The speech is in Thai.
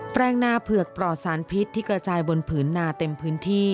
แปลงนาเผือกปลอดสารพิษที่กระจายบนผืนนาเต็มพื้นที่